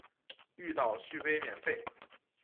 遇到续杯免费